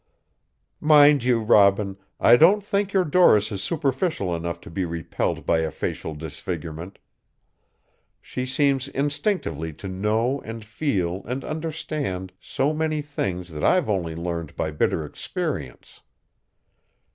"Mind you, Robin, I don't think your Doris is superficial enough to be repelled by a facial disfigurement. She seems instinctively to know and feel and understand so many things that I've only learned by bitter experience.